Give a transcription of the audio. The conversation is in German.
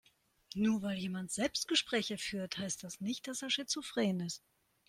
Nur weil jemand Selbstgespräche führt, heißt das nicht, dass er schizophren ist.